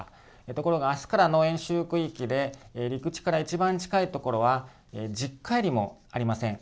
ところが、明日からの演習区域で陸地から一番近い所は１０海里もありません。